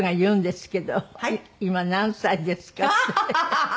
ハハハハ！